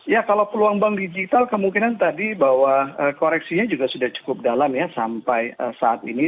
ya kalau peluang bank digital kemungkinan tadi bahwa koreksinya juga sudah cukup dalam ya sampai saat ini